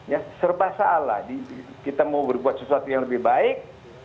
ya serba salah kita mau berbuat sesuatu yang lebih baik